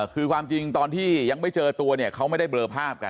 คือความจริงตอนที่ยังไม่เจอตัวเนี่ยเขาไม่ได้เบลอภาพกัน